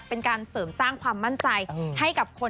แต่มีนักแสดงคนนึงเดินเข้ามาหาผมบอกว่าขอบคุณพี่แมนมากเลย